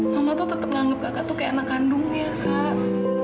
mama tuh tetap menganggap kakak tuh kayak anak kandung ya kak